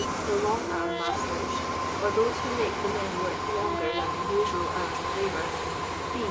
The long hour magUr», or those who make the men work longer than the usual hoars of labour, h.